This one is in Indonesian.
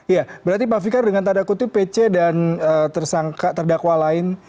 ya berarti pak fikar dengan tanda kutip pc dan tersangka terdakwa lain